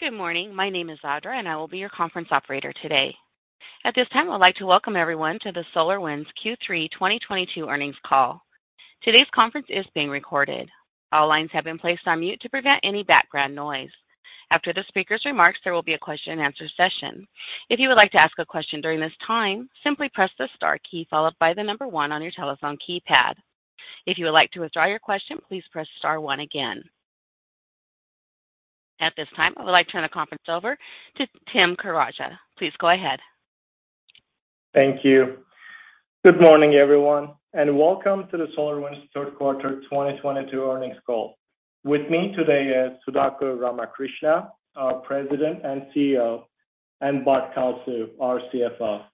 Good morning. My name is Audra, and I will be your conference operator today. At this time, I'd like to welcome everyone to the SolarWinds Q3 2022 earnings call. Today's conference is being recorded. All lines have been placed on mute to prevent any background noise. After the speaker's remarks, there will be a question-and-answer session. If you would like to ask a question during this time, simply press the star key followed by the number one on your telephone keypad. If you would like to withdraw your question, please press star one again. At this time, I would like to turn the conference over to Tim Karaca. Please go ahead. Thank you. Good morning, everyone, and welcome to the SolarWinds third quarter 2022 earnings call. With me today is Sudhakar Ramakrishna, our President and CEO, and Bart Kalsu, our CFO.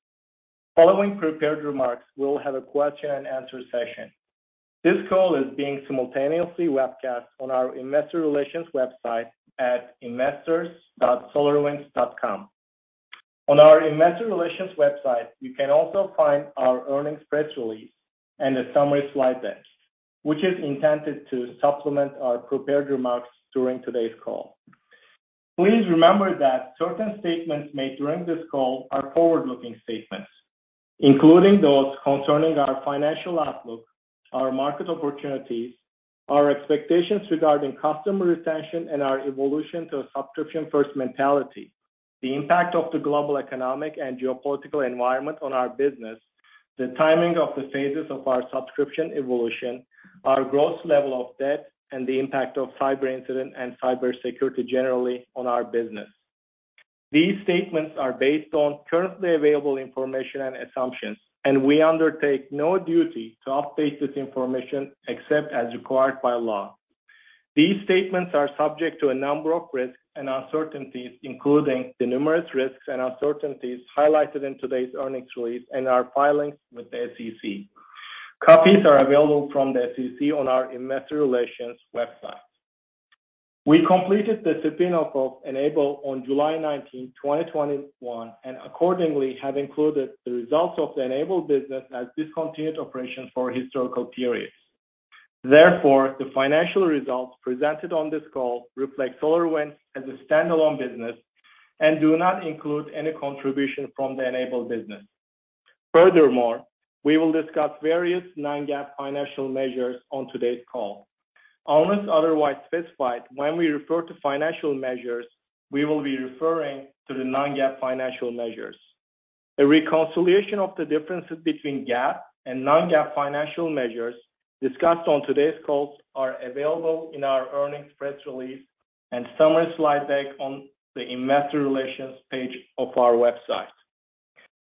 Following prepared remarks, we'll have a question-and-answer session. This call is being simultaneously webcast on our investor relations website at investors.solarwinds.com. On our investor relations website, you can also find our earnings press release and a summary slide deck, which is intended to supplement our prepared remarks during today's call. Please remember that certain statements made during this call are forward-looking statements, including those concerning our financial outlook, our market opportunities, our expectations regarding customer retention and our evolution to a subscription-first mentality, the impact of the global economic and geopolitical environment on our business, the timing of the phases of our subscription evolution, our gross level of debt, and the impact of cyber incident and cybersecurity generally on our business. These statements are based on currently available information and assumptions, and we undertake no duty to update this information except as required by law. These statements are subject to a number of risks and uncertainties, including the numerous risks and uncertainties highlighted in today's earnings release and our filings with the SEC. Copies are available from the SEC on our investor relations website. We completed the spin-off of N-able on July 19, 2021, and accordingly have included the results of the N-able business as discontinued operations for historical periods. Therefore, the financial results presented on this call reflect SolarWinds as a standalone business and do not include any contribution from the N-able business. Furthermore, we will discuss various non-GAAP financial measures on today's call. Unless otherwise specified, when we refer to financial measures, we will be referring to the non-GAAP financial measures. A reconciliation of the differences between GAAP and non-GAAP financial measures discussed on today's call are available in our earnings press release and summary slide deck on the investor relations page of our website.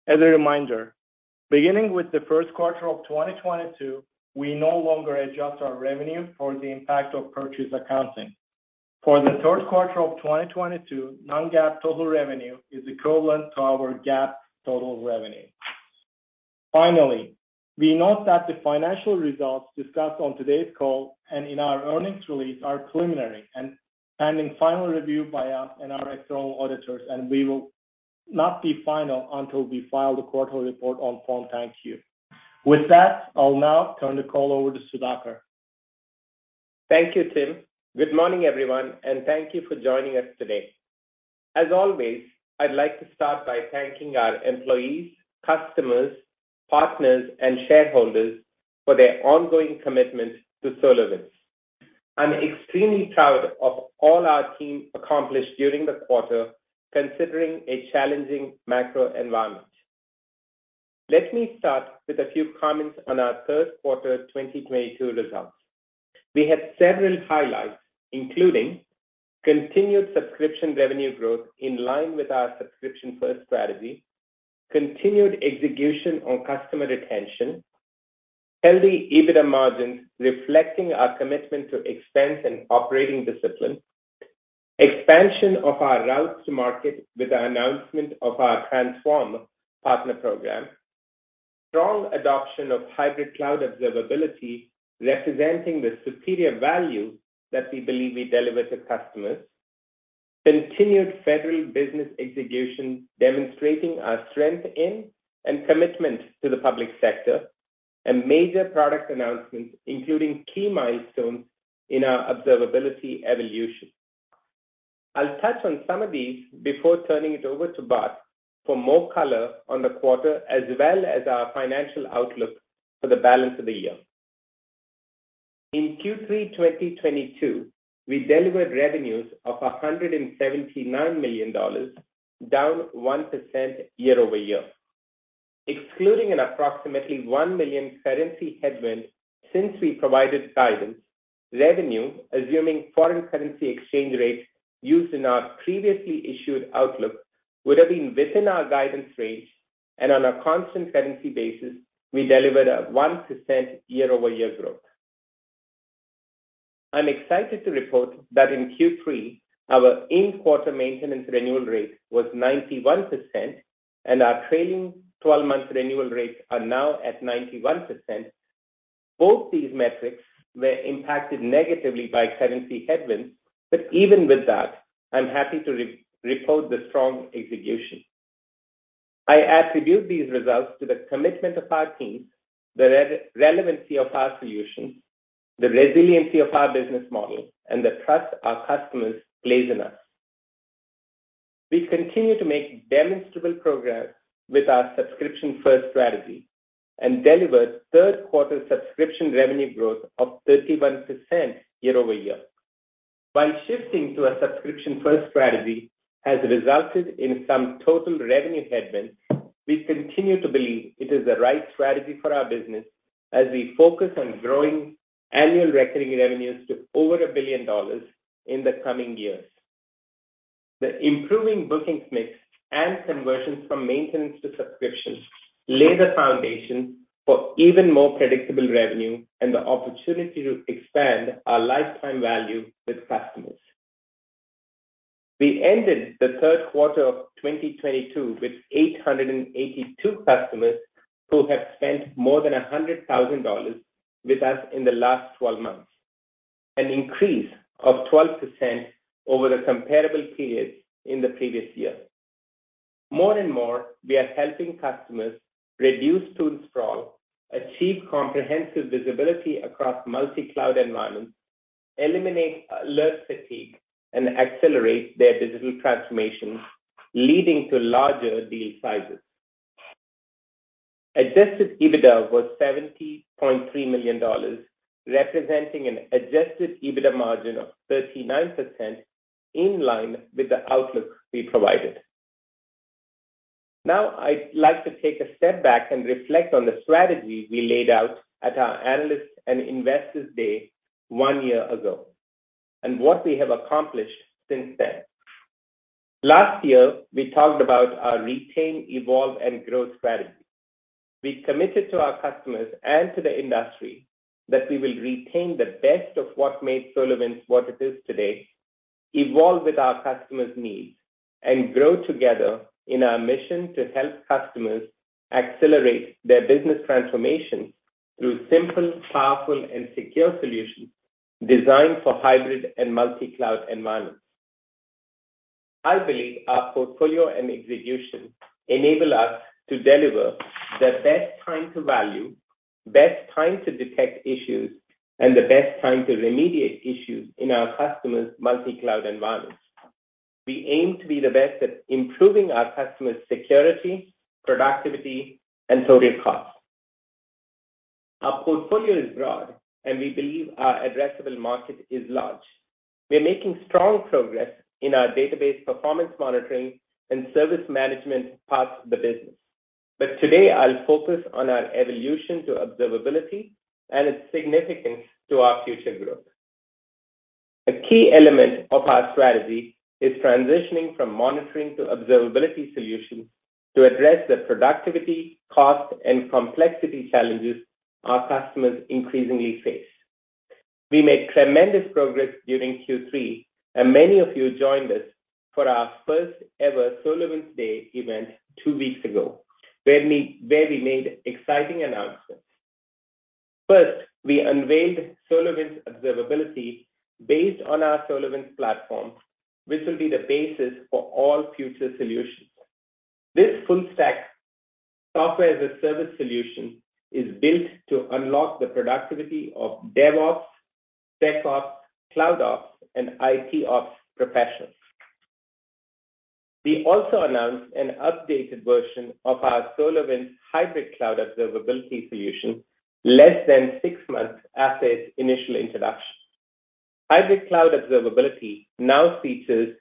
As a reminder, beginning with the first quarter of 2022, we no longer adjust our revenue for the impact of purchase accounting. For the third quarter of 2022, non-GAAP total revenue is equivalent to our GAAP total revenue. Finally, we note that the financial results discussed on today's call and in our earnings release are preliminary and pending final review by us and our external auditors, and we will not be final until we file the quarterly report on Form 10-Q. With that, I'll now turn the call over to Sudhakar. Thank you, Tim. Good morning, everyone, and thank you for joining us today. As always, I'd like to start by thanking our employees, customers, partners, and shareholders for their ongoing commitment to SolarWinds. I'm extremely proud of all our team accomplished during the quarter, considering a challenging macro environment. Let me start with a few comments on our third quarter 2022 results. We had several highlights, including continued subscription revenue growth in line with our subscription-first strategy, continued execution on customer retention, healthy EBITDA margins reflecting our commitment to expense and operating discipline, expansion of our routes to market with the announcement of our Transform Partner Program, strong adoption of Hybrid Cloud Observability representing the superior value that we believe we deliver to customers, continued federal business execution demonstrating our strength in and commitment to the public sector, and major product announcements, including key milestones in our observability evolution. I'll touch on some of these before turning it over to Bart for more color on the quarter, as well as our financial outlook for the balance of the year. In Q3 2022, we delivered revenues of $179 million, down 1% year-over-year. Excluding an approximately $1 million currency headwind since we provided guidance, revenue, assuming foreign currency exchange rates used in our previously issued outlook, would have been within our guidance range. On a constant currency basis, we delivered a 1% year-over-year growth. I'm excited to report that in Q3, our in-quarter maintenance renewal rate was 91%, and our trailing 12-month renewal rates are now at 91%. Both these metrics were impacted negatively by currency headwinds, but even with that, I'm happy to report the strong execution. I attribute these results to the commitment of our teams, the relevancy of our solutions, the resiliency of our business model, and the trust our customers place in us. We continue to make demonstrable progress with our subscription-first strategy and delivered third quarter subscription revenue growth of 31% year-over-year. While shifting to a subscription-first strategy has resulted in some total revenue headwinds, we continue to believe it is the right strategy for our business as we focus on growing annual recurring revenues to over $1 billion in the coming years. The improving bookings mix and conversions from maintenance to subscriptions lay the foundation for even more predictable revenue and the opportunity to expand our lifetime value with customers. We ended the third quarter of 2022 with 882 customers who have spent more than $100,000 with us in the last 12 months, an increase of 12% over the comparable period in the previous year. More and more, we are helping customers reduce tool sprawl, achieve comprehensive visibility across multi-cloud environments, eliminate alert fatigue, and accelerate their digital transformation, leading to larger deal sizes. Adjusted EBITDA was $70.3 million, representing an adjusted EBITDA margin of 39% in line with the outlook we provided. Now, I'd like to take a step back and reflect on the strategy we laid out at our Analyst and Investors Day one year ago, and what we have accomplished since then. Last year, we talked about our retain, evolve, and growth strategy. We committed to our customers and to the industry that we will retain the best of what made SolarWinds what it is today, evolve with our customers' needs, and grow together in our mission to help customers accelerate their business transformation through simple, powerful, and secure solutions designed for hybrid and multi-cloud environments. I believe our portfolio and execution enable us to deliver the best time to value, best time to detect issues, and the best time to remediate issues in our customers' multi-cloud environments. We aim to be the best at improving our customers' security, productivity, and total cost. Our portfolio is broad and we believe our addressable market is large. We're making strong progress in our database performance monitoring and service management parts of the business. Today I'll focus on our evolution to observability and its significance to our future growth. A key element of our strategy is transitioning from monitoring to observability solutions to address the productivity, cost, and complexity challenges our customers increasingly face. We made tremendous progress during Q3, and many of you joined us for our first ever SolarWinds Day event two weeks ago, where we made exciting announcements. First, we unveiled SolarWinds Observability based on our SolarWinds Platform, which will be the basis for all future solutions. This full stack software as a service solution is built to unlock the productivity of DevOps, SecOps, CloudOps, and ITOps professionals. We also announced an updated version of our SolarWinds Hybrid Cloud Observability solution less than six months after its initial introduction. Hybrid Cloud Observability now features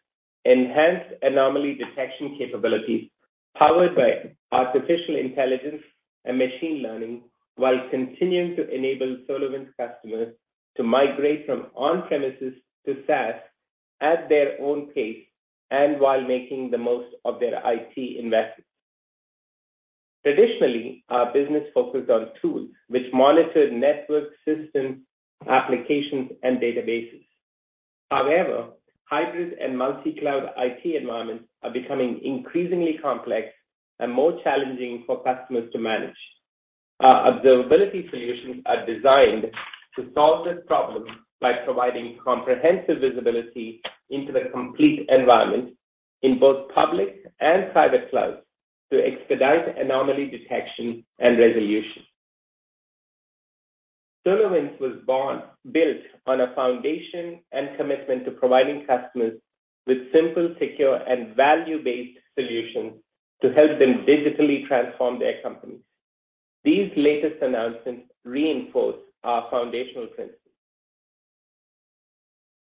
enhanced anomaly detection capabilities powered by artificial intelligence and machine learning, while continuing to enable SolarWinds customers to migrate from on-premises to SaaS at their own pace and while making the most of their IT investments. Traditionally, our business focused on tools which monitored network systems, applications, and databases. However, hybrid and multi-cloud IT environments are becoming increasingly complex and more challenging for customers to manage. Our observability solutions are designed to solve this problem by providing comprehensive visibility into the complete environment in both public and private clouds to expedite anomaly detection and resolution. SolarWinds was built on a foundation and commitment to providing customers with simple, secure, and value-based solutions to help them digitally transform their companies. These latest announcements reinforce our foundational principles.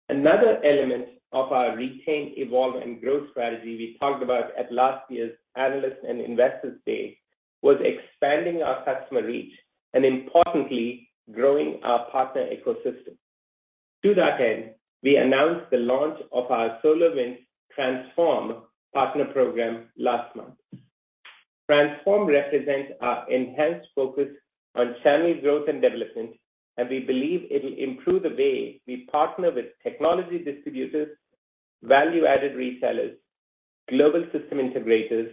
Another element of our retain, evolve, and growth strategy we talked about at last year's Analyst and Investor Day was expanding our customer reach and importantly, growing our partner ecosystem. To that end, we announced the launch of our SolarWinds Transform Partner Program last month. Transform represents our enhanced focus on channel growth and development, and we believe it'll improve the way we partner with technology distributors, value-added resellers, global system integrators,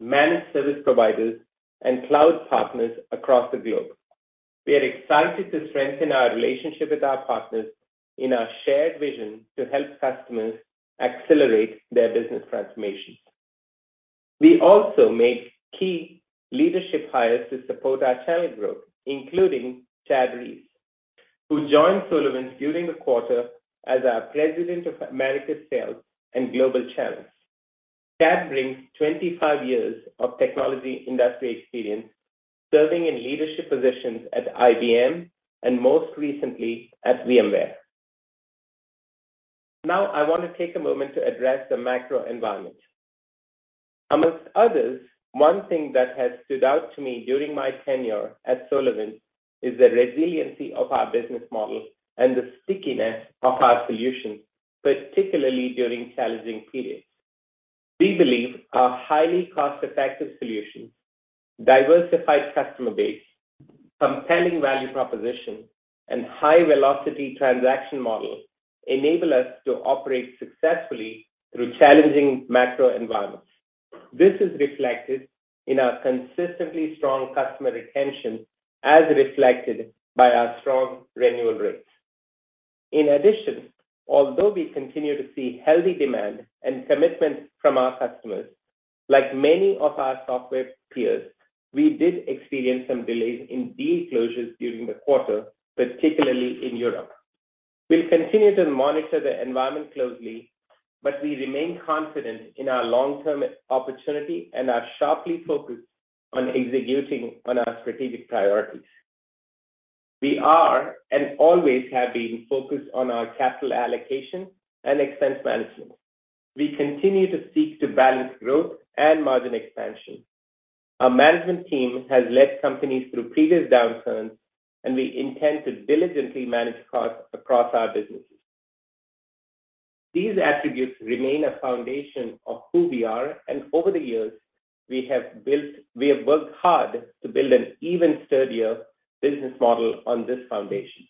managed service providers, and cloud partners across the globe. We are excited to strengthen our relationship with our partners in our shared vision to help customers accelerate their business transformation. We also made key leadership hires to support our channel growth, including Chad Reese, who joined SolarWinds during the quarter as our President of Americas Sales and Global Channels. Chad brings 25 years of technology industry experience serving in leadership positions at IBM and most recently at VMware. Now, I want to take a moment to address the macro environment. Among others, one thing that has stood out to me during my tenure at SolarWinds is the resiliency of our business model and the stickiness of our solutions, particularly during challenging periods. We believe our highly cost-effective solutions, diversified customer base, compelling value proposition, and high-velocity transaction model enable us to operate successfully through challenging macro environments. This is reflected in our consistently strong customer retention as reflected by our strong renewal rates. In addition, although we continue to see healthy demand and commitments from our customers, like many of our software peers, we did experience some delays in deal closures during the quarter, particularly in Europe. We'll continue to monitor the environment closely, but we remain confident in our long-term opportunity and are sharply focused on executing on our strategic priorities. We are, and always have been, focused on our capital allocation and expense management. We continue to seek to balance growth and margin expansion. Our management team has led companies through previous downturns, and we intend to diligently manage costs across our businesses. These attributes remain a foundation of who we are, and over the years, we have worked hard to build an even sturdier business model on this foundation.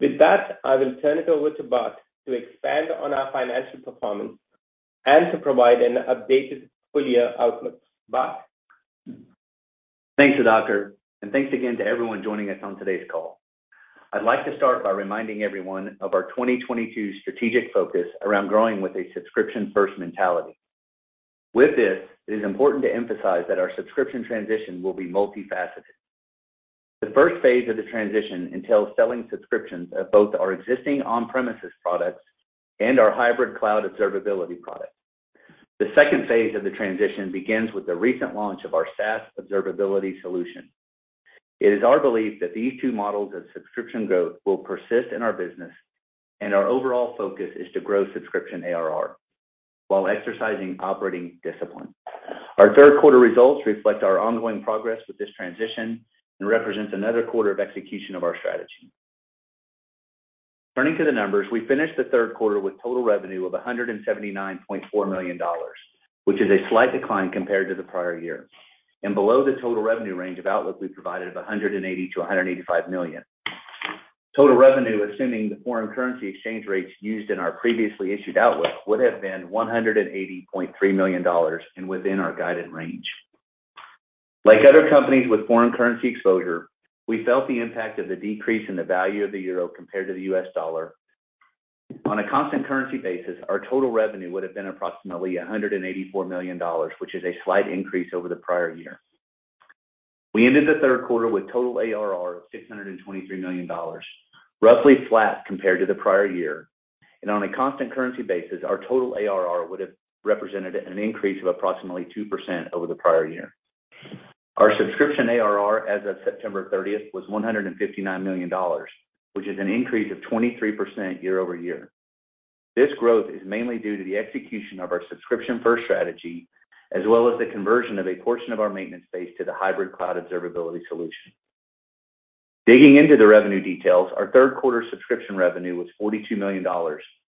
With that, I will turn it over to Bart to expand on our financial performance and to provide an updated full-year outlook. Bart? Thanks, Sudhakar, and thanks again to everyone joining us on today's call. I'd like to start by reminding everyone of our 2022 strategic focus around growing with a subscription-first mentality. With this, it is important to emphasize that our subscription transition will be multifaceted. The first phase of the transition entails selling subscriptions of both our existing on-premises products and our hybrid cloud observability products. The second phase of the transition begins with the recent launch of our SaaS observability solution. It is our belief that these two models of subscription growth will persist in our business, and our overall focus is to grow subscription ARR while exercising operating discipline. Our third quarter results reflect our ongoing progress with this transition and represents another quarter of execution of our strategy. Turning to the numbers, we finished the third quarter with total revenue of $179.4 million, which is a slight decline compared to the prior year and below the total revenue range of outlook we provided of $180 million-$185 million. Total revenue, assuming the foreign currency exchange rates used in our previously issued outlook, would have been $180.3 million and within our guided range. Like other companies with foreign currency exposure, we felt the impact of the decrease in the value of the euro compared to the US dollar. On a constant currency basis, our total revenue would have been approximately $184 million, which is a slight increase over the prior year. We ended the third quarter with total ARR of $623 million, roughly flat compared to the prior year. On a constant currency basis, our total ARR would have represented an increase of approximately 2% over the prior year. Our subscription ARR as of September 30thth was $159 million, which is an increase of 23% year-over-year. This growth is mainly due to the execution of our subscription-first strategy as well as the conversion of a portion of our maintenance base to the Hybrid Cloud Observability solution. Digging into the revenue details, our third quarter subscription revenue was $42 million,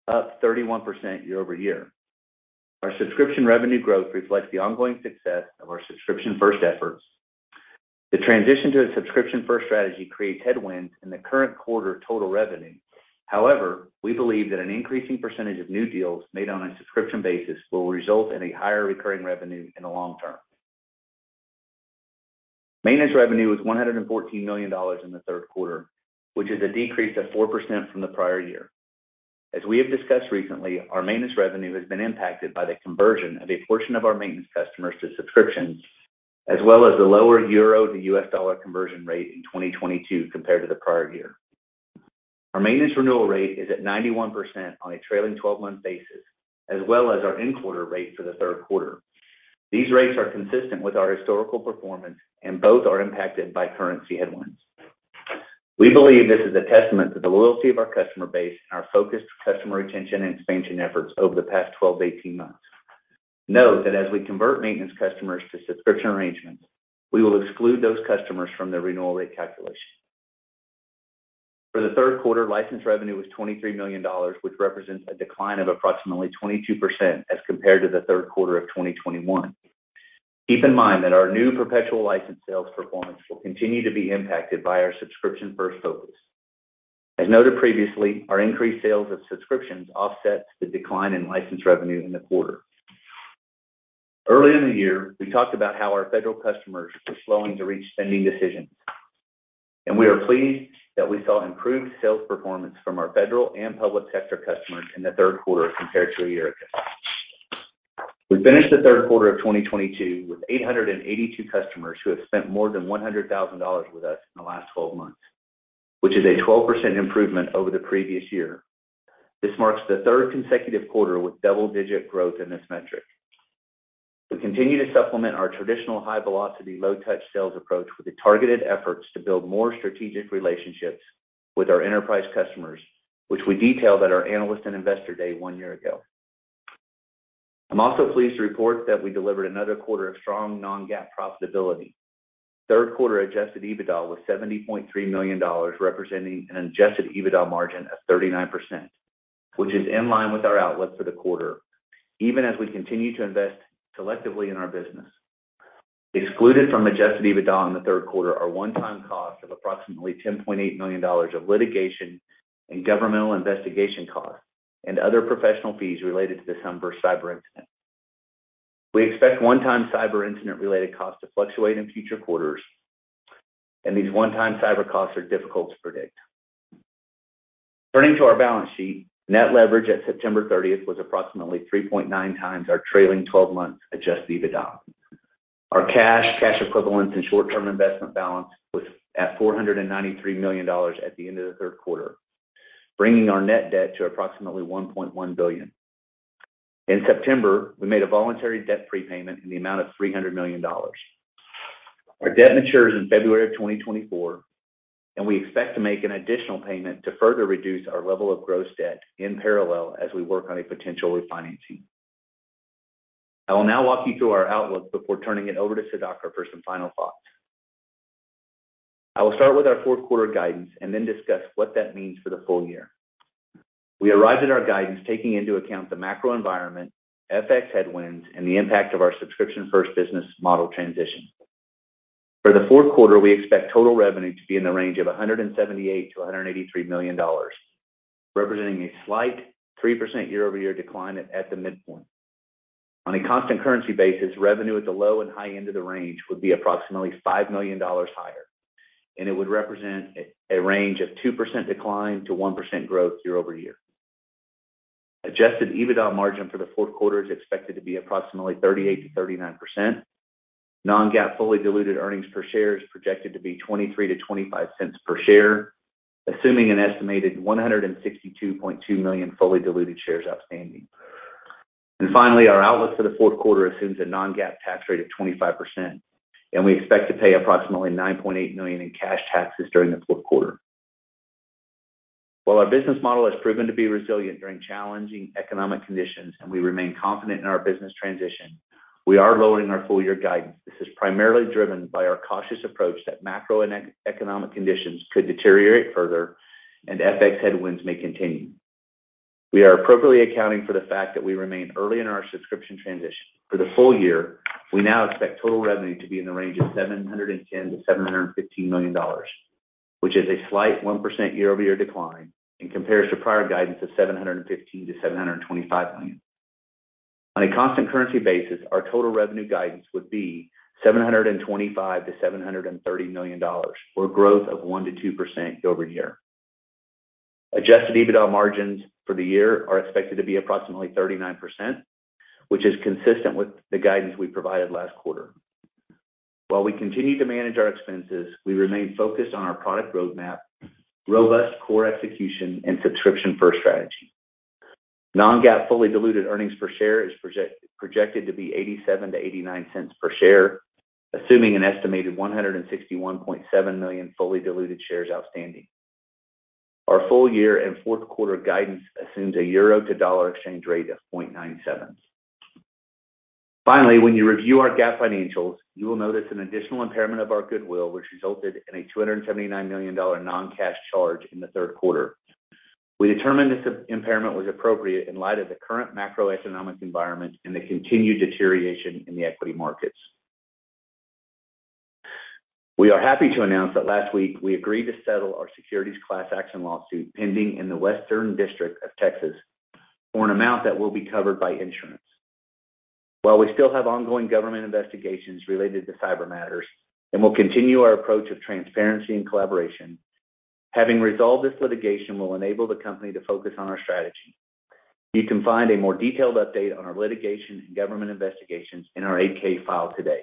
up 31% year-over-year. Our subscription revenue growth reflects the ongoing success of our subscription-first efforts. The transition to a subscription-first strategy creates headwinds in the current quarter total revenue. However, we believe that an increasing percentage of new deals made on a subscription basis will result in a higher recurring revenue in the long term. Maintenance revenue was $114 million in the third quarter, which is a decrease of 4% from the prior year. As we have discussed recently, our maintenance revenue has been impacted by the conversion of a portion of our maintenance customers to subscriptions, as well as the lower euro to US dollar conversion rate in 2022 compared to the prior year. Our maintenance renewal rate is at 91% on a trailing 12-month basis, as well as our in-quarter rate for the third quarter. These rates are consistent with our historical performance, and both are impacted by currency headwinds. We believe this is a testament to the loyalty of our customer base and our focused customer retention and expansion efforts over the past 12 months-18 months. Note that as we convert maintenance customers to subscription arrangements, we will exclude those customers from the renewal rate calculation. For the third quarter, license revenue was $23 million, which represents a decline of approximately 22% as compared to the third quarter of 2021. Keep in mind that our new perpetual license sales performance will continue to be impacted by our subscription-first focus. As noted previously, our increased sales of subscriptions offset the decline in license revenue in the quarter. Early in the year, we talked about how our federal customers were slowing to reach spending decisions. We are pleased that we saw improved sales performance from our federal and public sector customers in the third quarter compared to a year ago. We finished the third quarter of 2022 with 882 customers who have spent more than $100,000 with us in the last 12 months, which is a 12% improvement over the previous year. This marks the third consecutive quarter with double-digit growth in this metric. We continue to supplement our traditional high velocity, low touch sales approach with the targeted efforts to build more strategic relationships with our enterprise customers, which we detailed at our Analyst and Investor Day one year ago. I'm also pleased to report that we delivered another quarter of strong non-GAAP profitability. Third quarter adjusted EBITDA was $73 million, representing an adjusted EBITDA margin of 39%, which is in line with our outlook for the quarter, even as we continue to invest selectively in our business. Excluded from adjusted EBITDA in the third quarter are one-time costs of approximately $10.8 million of litigation and governmental investigation costs, and other professional fees related to December cyber incident. We expect one-time cyber incident-related costs to fluctuate in future quarters, and these one-time cyber costs are difficult to predict. Turning to our balance sheet, net leverage at September 30th was approximately 3.9x our trailing 12 months adjusted EBITDA. Our cash equivalents, and short-term investment balance was at $493 million at the end of the third quarter, bringing our net debt to approximately $1.1 billion. In September, we made a voluntary debt prepayment in the amount of $300 million. Our debt matures in February of 2024, and we expect to make an additional payment to further reduce our level of gross debt in parallel as we work on a potential refinancing. I will now walk you through our outlook before turning it over to Sudhakar for some final thoughts. I will start with our fourth quarter guidance and then discuss what that means for the full year. We arrived at our guidance taking into account the macro environment, FX headwinds, and the impact of our subscription-first business model transition. For the fourth quarter, we expect total revenue to be in the range of $178 million-$183 million, representing a slight 3% year-over-year decline at the midpoint. On a constant currency basis, revenue at the low and high end of the range would be approximately $5 million higher, and it would represent a range of 2% decline to 1% growth year-over-year. Adjusted EBITDA margin for the fourth quarter is expected to be approximately 38%-39%. Non-GAAP fully diluted earnings per share is projected to be $0.23-$0.25 per share, assuming an estimated 162.2 million fully diluted shares outstanding. Finally, our outlook for the fourth quarter assumes a non-GAAP tax rate of 25%, and we expect to pay approximately $9.8 million in cash taxes during the fourth quarter. While our business model has proven to be resilient during challenging economic conditions and we remain confident in our business transition, we are lowering our full year guidance. This is primarily driven by our cautious approach that macro and economic conditions could deteriorate further, and FX headwinds may continue. We are appropriately accounting for the fact that we remain early in our subscription transition. For the full year, we now expect total revenue to be in the range of $710 million-$715 million, which is a slight 1% year-over-year decline in comparison to prior guidance of $715 million-$725 million. On a constant currency basis, our total revenue guidance would be $725 million-$730 million, or growth of 1%-2% year-over-year. Adjusted EBITDA margins for the year are expected to be approximately 39%, which is consistent with the guidance we provided last quarter. While we continue to manage our expenses, we remain focused on our product roadmap, robust core execution, and subscription-first strategy. Non-GAAP fully diluted earnings per share is projected to be $0.87-$0.89 per share, assuming an estimated 161.7 million fully diluted shares outstanding. Our full year and fourth quarter guidance assumes a euro-to-dollar exchange rate of 0.97. Finally, when you review our GAAP financials, you will notice an additional impairment of our goodwill, which resulted in a $279 million non-cash charge in the third quarter. We determined this impairment was appropriate in light of the current macroeconomic environment and the continued deterioration in the equity markets. We are happy to announce that last week, we agreed to settle our securities class action lawsuit pending in the Western District of Texas for an amount that will be covered by insurance. While we still have ongoing government investigations related to cyber matters and will continue our approach of transparency and collaboration, having resolved this litigation will enable the company to focus on our strategy. You can find a more detailed update on our litigation and government investigations in our Form 8-K file today.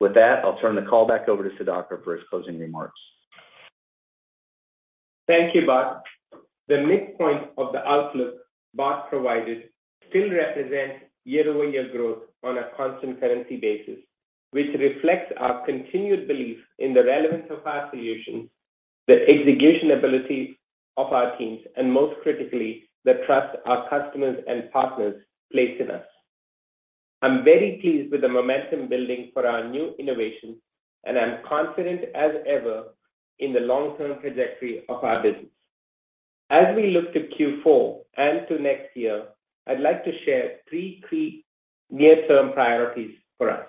With that, I'll turn the call back over to Sudhakar for his closing remarks. Thank you, Bart. The midpoint of the outlook Bart provided still represents year-over-year growth on a constant currency basis, which reflects our continued belief in the relevance of our solution, the execution ability of our teams, and most critically, the trust our customers and partners place in us. I'm very pleased with the momentum building for our new innovation, and I'm confident as ever in the long-term trajectory of our business. As we look to Q4 and to next year, I'd like to share three key near-term priorities for us.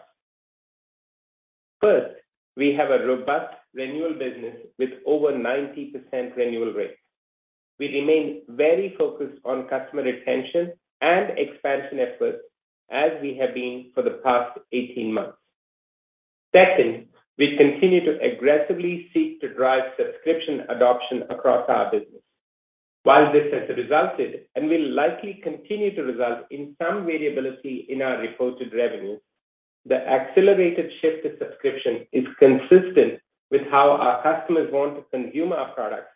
First, we have a robust renewal business with over 90% renewal rate. We remain very focused on customer retention and expansion efforts as we have been for the past 18 months. Second, we continue to aggressively seek to drive subscription adoption across our business. While this has resulted and will likely continue to result in some variability in our reported revenues, the accelerated shift to subscription is consistent with how our customers want to consume our products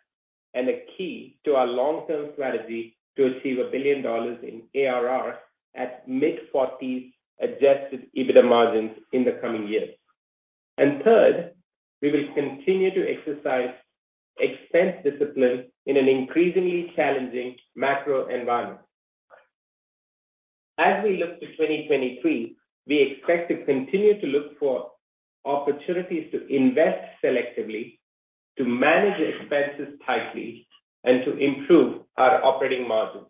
and a key to our long-term strategy to achieve $1 billion in ARR at mid-40s adjusted EBITDA margins in the coming years. Third, we will continue to exercise expense discipline in an increasingly challenging macro environment. As we look to 2023, we expect to continue to look for opportunities to invest selectively, to manage expenses tightly, and to improve our operating margins.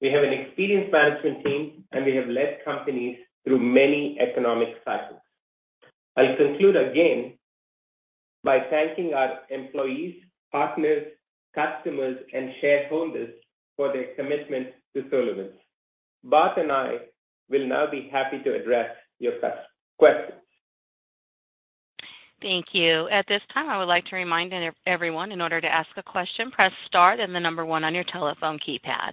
We have an experienced management team, and we have led companies through many economic cycles. I'll conclude again by thanking our employees, partners, customers, and shareholders for their commitment to SolarWinds. Bart and I will now be happy to address your questions. Thank you. At this time, I would like to remind everyone, in order to ask a question, press star then the number one on your telephone keypad.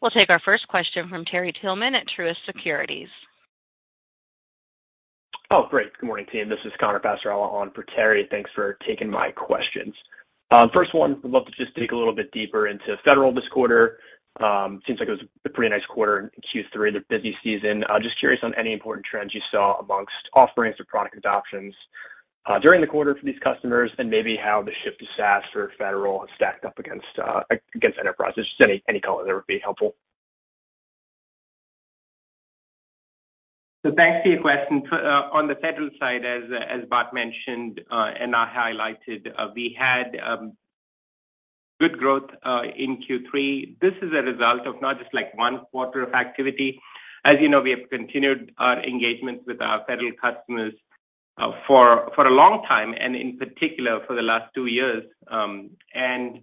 We'll take our first question from Terry Tillman at Truist Securities. Oh, great. Good morning, team. This is Connor Passarella on for Terry. Thanks for taking my questions. First one, I'd love to just dig a little bit deeper into federal this quarter. Seems like it was a pretty nice quarter in Q3, the busy season. Just curious on any important trends you saw amongst offerings or product adoptions during the quarter for these customers and maybe how the shift to SaaS for federal has stacked up against enterprise. Just any color there would be helpful. Thanks for your question. On the federal side, as Bart mentioned, and I highlighted, we had good growth in Q3. This is a result of not just like one quarter of activity. As you know, we have continued our engagements with our federal customers for a long time and in particular for the last two years. And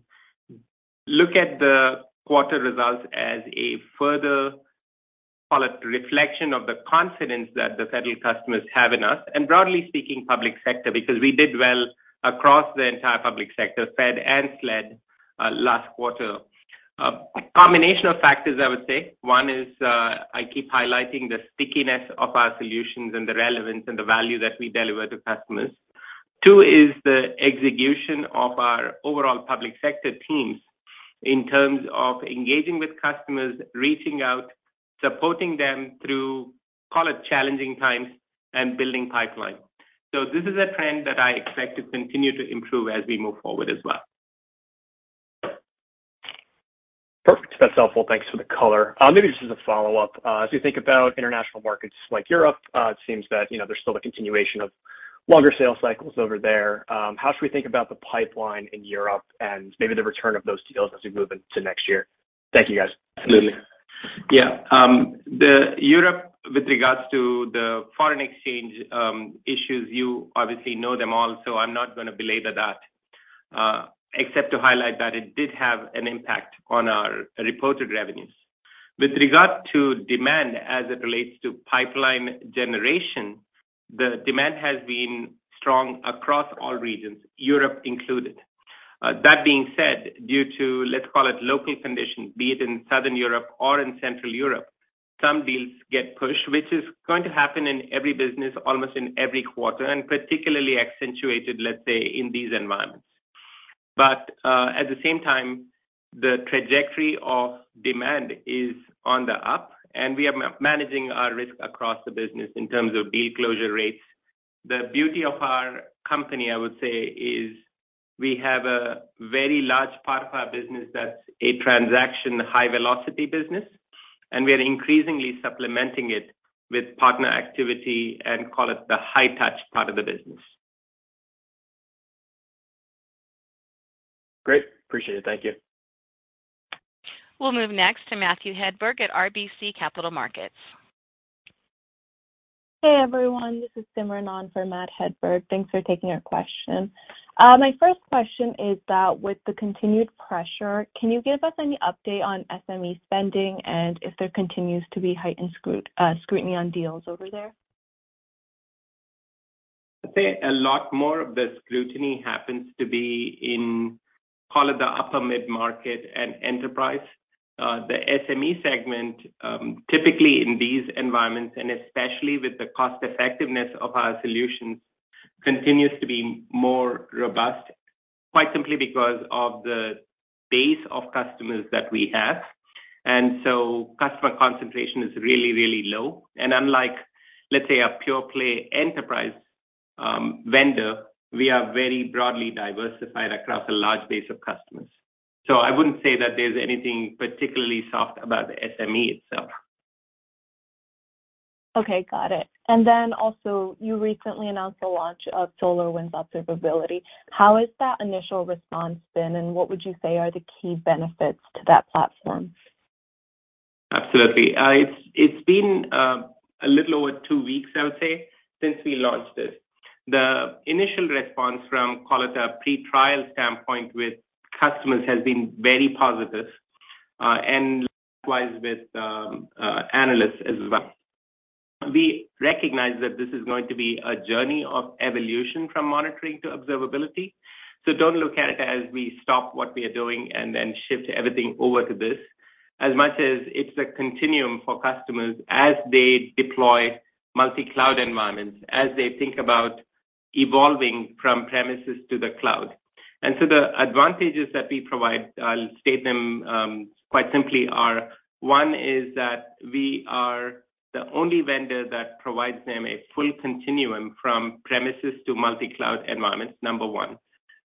look at the quarter results as a further, call it reflection of the confidence that the federal customers have in us and broadly speaking, public sector, because we did well across the entire public sector, Fed and SLED, last quarter. Combination of factors, I would say. One is, I keep highlighting the stickiness of our solutions and the relevance and the value that we deliver to customers. Two is the execution of our overall public sector teams in terms of engaging with customers, reaching out, supporting them through, call it challenging times and building pipeline. This is a trend that I expect to continue to improve as we move forward as well. Perfect. That's helpful. Thanks for the color. Maybe just as a follow-up. As we think about international markets like Europe, it seems that, you know, there's still a continuation of longer sales cycles over there. How should we think about the pipeline in Europe and maybe the return of those deals as we move into next year? Thank you, guys. Absolutely. Yeah. In Europe with regards to the foreign exchange issues, you obviously know them all, so I'm not going to belabor that, except to highlight that it did have an impact on our reported revenues. With regard to demand as it relates to pipeline generation, the demand has been strong across all regions, Europe included. That being said, due to, let's call it local conditions, be it in Southern Europe or in Central Europe, some deals get pushed, which is going to happen in every business almost in every quarter, and particularly accentuated, let's say, in these environments. At the same time, the trajectory of demand is on the up, and we are managing our risk across the business in terms of deal closure rates. The beauty of our company, I would say, is we have a very large part of our business that's a transaction high velocity business, and we are increasingly supplementing it with partner activity and call it the high touch part of the business. Great. Appreciate it. Thank you. We'll move next to Matthew Hedberg at RBC Capital Markets. Hey, everyone. This is Simran on for Matt Hedberg. Thanks for taking our question. My first question is that with the continued pressure, can you give us any update on SME spending and if there continues to be heightened scrutiny on deals over there? I'd say a lot more of the scrutiny happens to be in, call it the upper mid-market and enterprise. The SME segment, typically in these environments, and especially with the cost effectiveness of our solutions, continues to be more robust quite simply because of the base of customers that we have. Customer concentration is really, really low. Unlike, let's say a pure play enterprise, vendor, we are very broadly diversified across a large base of customers. I wouldn't say that there's anything particularly soft about the SME itself. Okay. Got it. also you recently announced the launch of SolarWinds Observability. How has that initial response been, and what would you say are the key benefits to that platform? Absolutely. It's been a little over two weeks, I would say, since we launched this. The initial response from, call it a pre-trial standpoint with customers has been very positive, and likewise with analysts as well. We recognize that this is going to be a journey of evolution from monitoring to observability, so don't look at it as we stop what we are doing and then shift everything over to this as much as it's a continuum for customers as they deploy multi-cloud environments, as they think about evolving from premises to the cloud. The advantages that we provide, I'll state them quite simply are one is that we are the only vendor that provides them a full continuum from premises to multi-cloud environments, number one.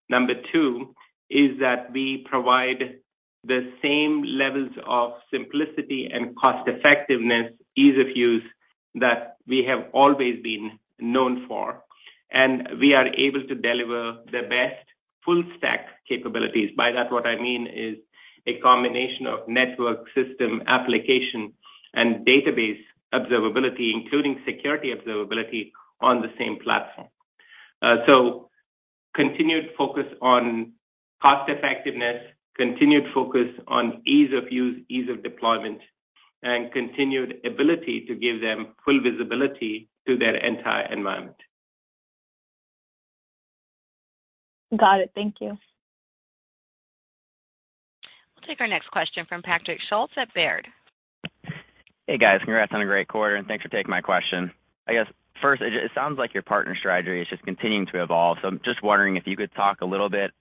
Number two is that we provide the same levels of simplicity and cost-effectiveness, ease of use that we have always been known for, and we are able to deliver the best full stack capabilities. By that, what I mean is a combination of network system application and database observability, including security observability on the same platform. Continued focus on cost-effectiveness, continued focus on ease of use, ease of deployment, and continued ability to give them full visibility to their entire environment. Got it. Thank you. We'll take our next question from Patrick Schulz at Baird. Hey, guys. Congrats on a great quarter, and thanks for taking my question. I guess, first, it sounds like your partner strategy is just continuing to evolve. I'm just wondering if you could talk a little bit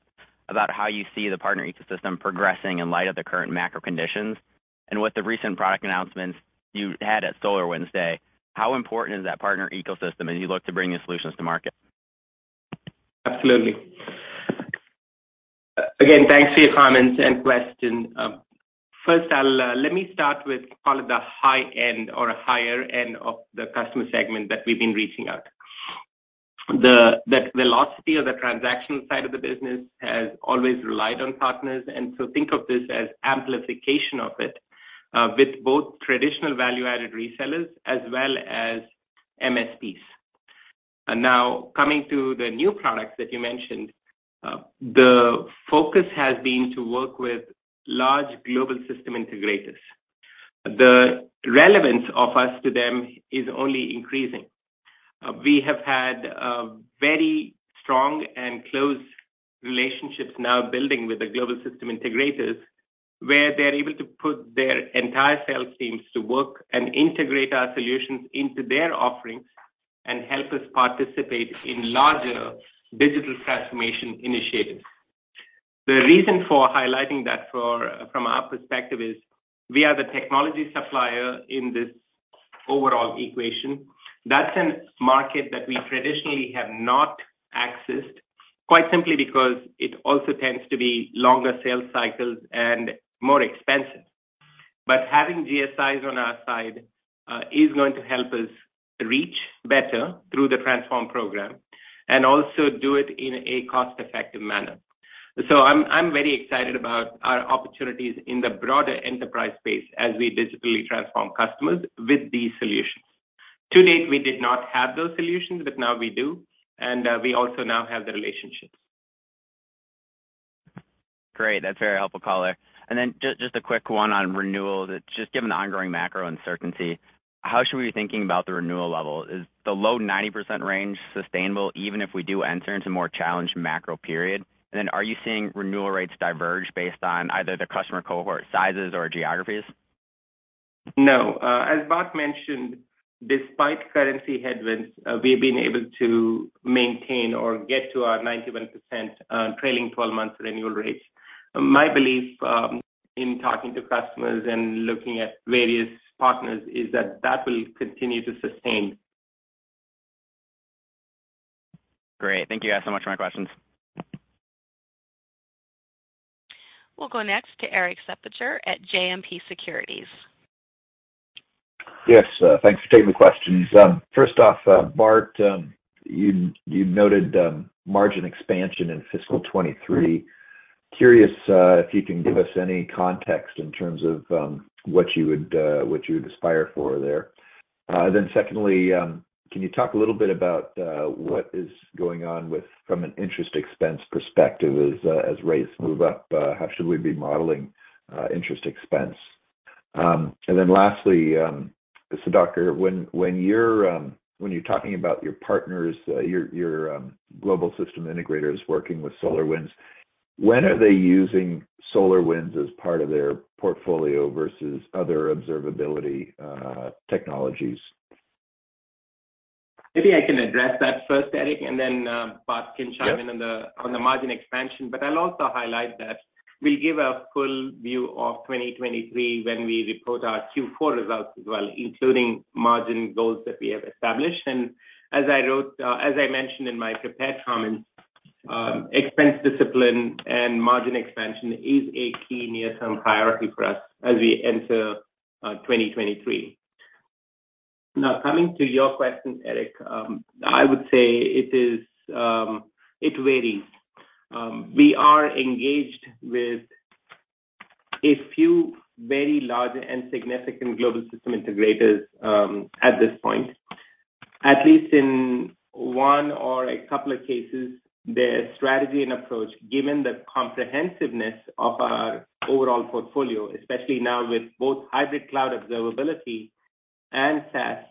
about how you see the partner ecosystem progressing in light of the current macro conditions and with the recent product announcements you had at SolarWinds Day, how important is that partner ecosystem as you look to bring your solutions to market? Absolutely. Again, thanks for your comments and question. Let me start with, call it, the high end or higher end of the customer segment that we've been reaching out. The velocity of the transaction side of the business has always relied on partners, and so think of this as amplification of it with both traditional value-added resellers as well as MSPs. Now, coming to the new products that you mentioned, the focus has been to work with large global system integrators. The relevance of us to them is only increasing. We have had very strong and close relationships now building with the global system integrators, where they're able to put their entire sales teams to work and integrate our solutions into their offerings and help us participate in larger digital transformation initiatives. The reason for highlighting that from our perspective is we are the technology supplier in this overall equation. That's a market that we traditionally have not accessed, quite simply because it also tends to be longer sales cycles and more expensive. Having GSIs on our side is going to help us reach better through the Transform program and also do it in a cost-effective manner. I'm very excited about our opportunities in the broader enterprise space as we digitally transform customers with these solutions. To date, we did not have those solutions, but now we do, and we also now have the relationships. Great. That's very helpful color. Just a quick one on renewals. Just given the ongoing macro uncertainty, how should we be thinking about the renewal level? Is the low 90% range sustainable even if we do enter into more challenged macro period? Are you seeing renewal rates diverge based on either the customer cohort sizes or geographies? No. As Bart mentioned, despite currency headwinds, we've been able to maintain or get to our 91% trailing 12 months renewal rates. My belief, in talking to customers and looking at various partners is that that will continue to sustain. Great. Thank you guys so much for my questions. We'll go next to Erik Suppiger at JMP Securities. Yes. Thanks for taking the questions. First off, Bart, you noted margin expansion in fiscal 2023. Curious if you can give us any context in terms of what you would aspire for there. Then, secondly, can you talk a little bit about what is going on from an interest expense perspective as rates move up, how should we be modeling interest expense? Lastly, Sudhakar, when you're talking about your partners, your global system integrators working with SolarWinds, when are they using SolarWinds as part of their portfolio versus other observability technologies? Maybe I can address that first, Erik, and then Bart can chime in. Yeah. on the margin expansion. I'll also highlight that we'll give a full view of 2023 when we report our Q4 results as well, including margin goals that we have established. as I mentioned in my prepared comments, expense discipline and margin expansion is a key near-term priority for us as we enter 2023. Now coming to your question, Erik, I would say it is it varies. We are engaged with a few very large and significant global system integrators at this point. At least in one or a couple of cases, their strategy and approach, given the comprehensiveness of our overall portfolio, especially now with both Hybrid Cloud Observability and SaaS,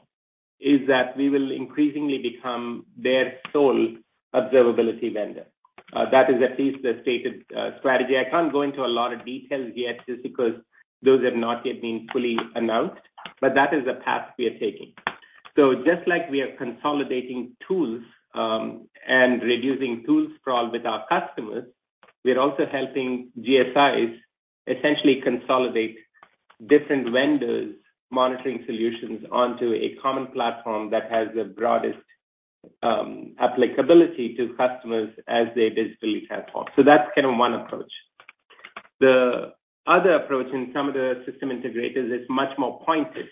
is that we will increasingly become their sole observability vendor. That is at least the stated strategy. I can't go into a lot of details yet just because those have not yet been fully announced, but that is the path we are taking. Just like we are consolidating tools and reducing tools sprawl with our customers, we're also helping GSIs essentially consolidate different vendors' monitoring solutions onto a common platform that has the broadest applicability to customers as they digitally transform. That's kind of one approach. The other approach in some of the system integrators is much more pointed,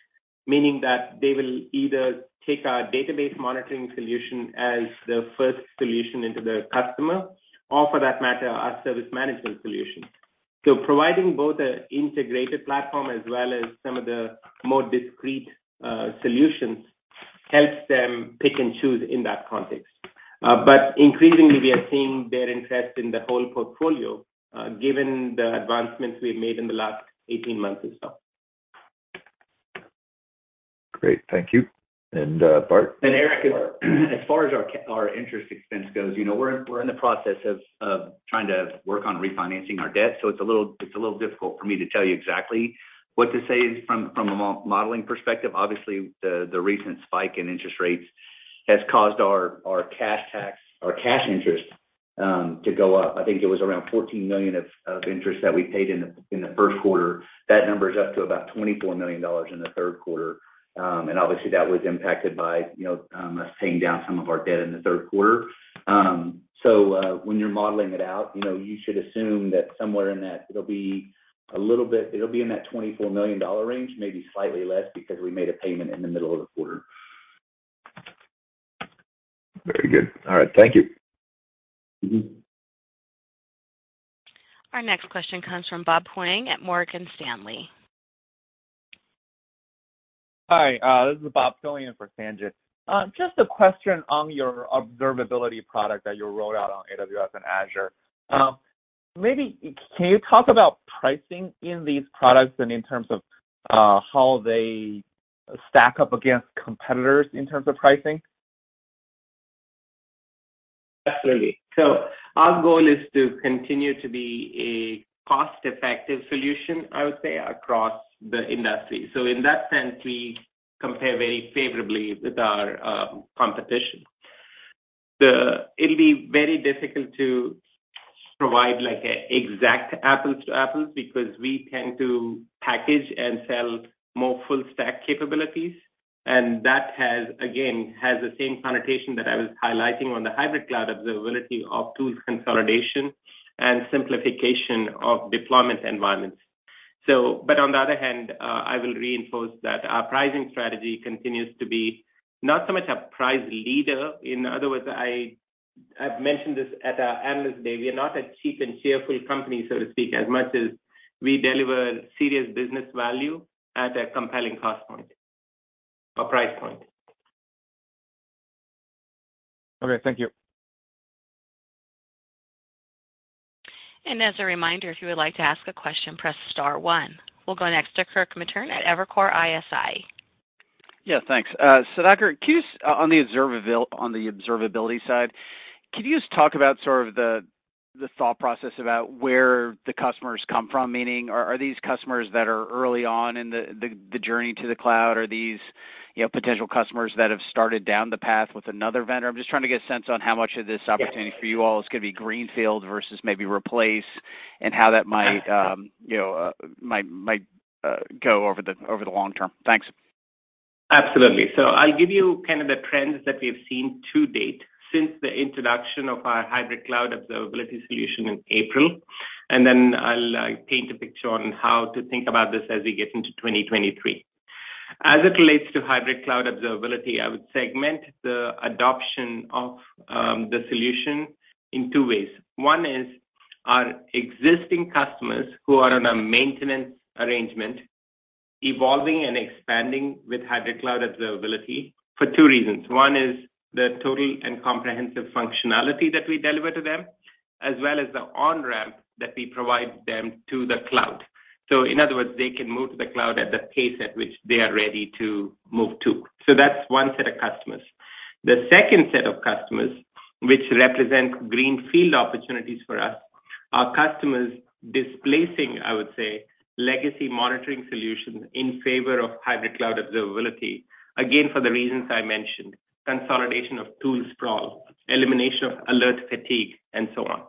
meaning that they will either take our database monitoring solution as the first solution into the customer or for that matter, our service management solution. Providing both an integrated platform as well as some of the more discrete solutions helps them pick and choose in that context. Increasingly we are seeing their interest in the whole portfolio, given the advancements we've made in the last 18 months or so. Great. Thank you. Bart? Eric, as far as our interest expense goes, you know, we're in the process of trying to work on refinancing our debt, so it's a little difficult for me to tell you exactly what to say from a modeling perspective. Obviously, the recent spike in interest rates has caused our cash interest to go up. I think it was around $14 million of interest that we paid in the first quarter. That number is up to about $24 million in the third quarter. Obviously, that was impacted by you know, us paying down some of our debt in the third quarter. When you're modeling it out, you know, you should assume that somewhere in that it'll be a little bit. It'll be in that $24 million range, maybe slightly less because we made a payment in the middle of the quarter. Very good. All right. Thank you. Our next question comes from Bob Huang at Morgan Stanley. Hi, this is Bob filling in for Sanjit. Just a question on your observability product that you rolled out on AWS and Azure. Maybe can you talk about pricing in these products and in terms of how they stack up against competitors in terms of pricing? Absolutely. Our goal is to continue to be a cost-effective solution, I would say, across the industry. In that sense, we compare very favorably with our competition. It'll be very difficult to provide like an exact apples to apples because we tend to package and sell more full-stack capabilities, and that has, again, the same connotation that I was highlighting on the Hybrid Cloud Observability of tools consolidation and simplification of deployment environments. On the other hand, I will reinforce that our pricing strategy continues to be not so much a price leader. In other words, I've mentioned this at our Analyst Day. We are not a cheap and cheerful company, so to speak, as much as we deliver serious business value at a compelling cost point or price point. Okay. Thank you. As a reminder, if you would like to ask a question, press star one. We'll go next to Kirk Materne at Evercore ISI. Yeah, thanks. Sudhakar, on the observability side, can you just talk about sort of the thought process about where the customers come from? Meaning, are these customers that are early on in the journey to the cloud? Are these, you know, potential customers that have started down the path with another vendor? I'm just trying to get a sense on how much of this opportunity for you all is gonna be greenfield versus maybe replace and how that might go over the long term. Thanks. Absolutely. I'll give you kind of the trends that we've seen to date since the introduction of our Hybrid Cloud Observability solution in April, and then I'll paint a picture on how to think about this as we get into 2023. As it relates to Hybrid Cloud Observability, I would segment the adoption of the solution in two ways. One is our existing customers who are on a maintenance arrangement evolving and expanding with Hybrid Cloud Observability for two reasons. One is the total and comprehensive functionality that we deliver to them, as well as the on-ramp that we provide them to the cloud. In other words, they can move to the cloud at the pace at which they are ready to move to. That's one set of customers. The second set of customers, which represent greenfield opportunities for us, are customers displacing, I would say, legacy monitoring solutions in favor of Hybrid Cloud Observability, again, for the reasons I mentioned, consolidation of tool sprawl, elimination of alert fatigue, and so on.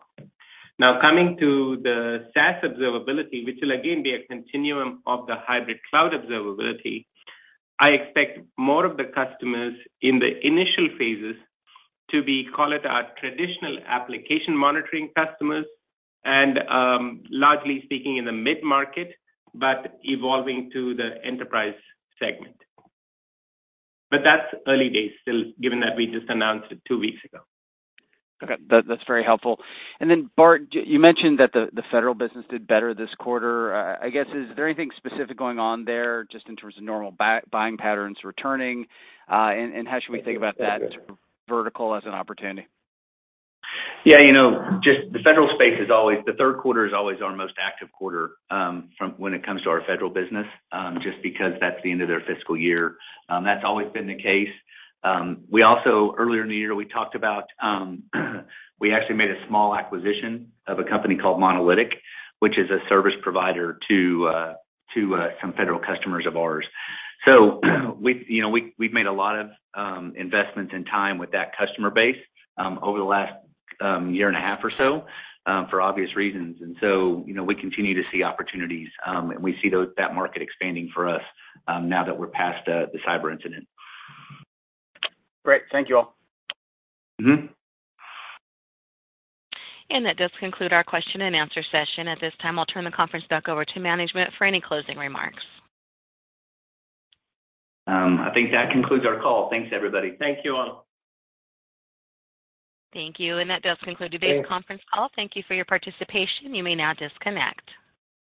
Now, coming to the SaaS observability, which will again be a continuum of the Hybrid Cloud Observability, I expect more of the customers in the initial phases to be, call it our traditional application monitoring customers and, largely speaking in the mid-market, but evolving to the enterprise segment. That's early days still, given that we just announced it two weeks ago. Okay. That's very helpful. Then Bart, you mentioned that the federal business did better this quarter. I guess, is there anything specific going on there just in terms of normal buying patterns returning? And how should we think about that vertical as an opportunity? Yeah, you know, just the federal space is always the third quarter is always our most active quarter, from when it comes to our federal business, just because that's the end of their fiscal year. That's always been the case. We also earlier in the year, we talked about, we actually made a small acquisition of a company called Monalytic, which is a service provider to some federal customers of ours. So we've, you know, made a lot of investments and time with that customer base, over the last year and a half or so, for obvious reasons. You know, we continue to see opportunities, and we see that market expanding for us, now that we're past the cyber incident. Great. Thank you all. That does conclude our question and answer session. At this time, I'll turn the conference back over to management for any closing remarks. I think that concludes our call. Thanks, everybody. Thank you all. Thank you. That does conclude today's conference call. Thank you for your participation. You may now disconnect.